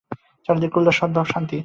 চারিদিকে উল্লাস, সদ্ভাব, শান্তি।